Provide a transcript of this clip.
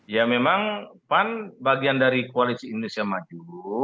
ya memang pan bagian dari koalisi indonesia maju